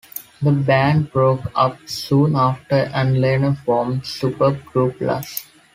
The band broke up soon after, and Laner formed supergroup Lusk.